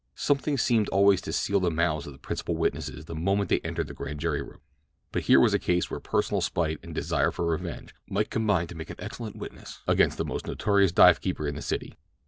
Something seemed always to seal the mouths of the principal witnesses the moment they entered the Grand Jury room; but here was a case where personal spite and desire for revenge might combine to make an excellent witness against the most notorious dive keeper in the city.